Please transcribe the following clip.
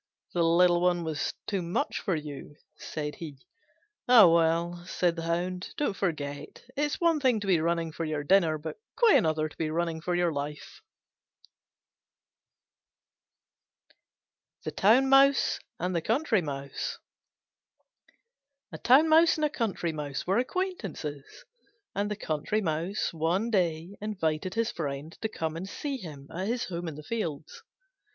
"The little one was too much for you," said he. "Ah, well," said the Hound, "don't forget it's one thing to be running for your dinner, but quite another to be running for your life." THE TOWN MOUSE AND THE COUNTRY MOUSE A Town Mouse and a Country Mouse were acquaintances, and the Country Mouse one day invited his friend to come and see him at his home in the fields.